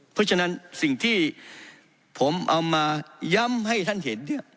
เพราะฉะนั้นสิ่งที่ผมเอามาย้ำให้ท่านเห็น